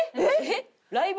ライブ。